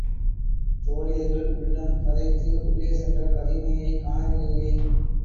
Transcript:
தோழியர்கள் உள்ளம் பதைத்து, உள்ளே சென்ற பதுமையைக் காணவில்லையே!